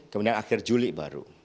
kemudian akhir juli baru